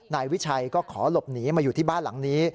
นายวิชัยก็ขอหลบหนีมาอยู่ที่บ้านหลังนี้